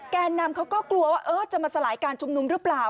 แกนนำเขาก็กลัวว่าจะมาสลายการชุมนุมหรือเปล่า